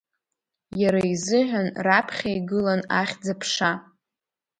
Иара изыҳәан раԥхьа игылан ахьӡ-аԥша.